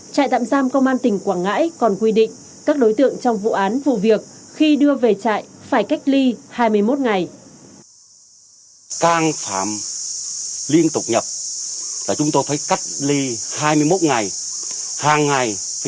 trại tạm giam công an tỉnh quảng ngãi còn quy định các đối tượng trong vụ án vụ việc khi đưa về trại phải cách ly hai mươi một ngày